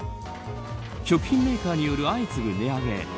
食品メーカーによる相次ぐ値上げ。